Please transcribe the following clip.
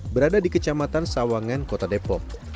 berada di kecamatan sawangan kota depok